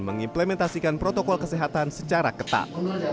mengimplementasikan protokol kesehatan secara ketat